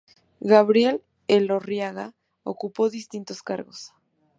Gabriel Elorriaga ocupó distintos cargos.